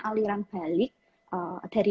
aliran balik dari